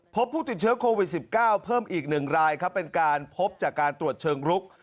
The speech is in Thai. พบผู้ติดเชื้อโควิด๑๙เพิ่มอีก๑รายครับเป็นการพบจากการตรวจเชิงรุก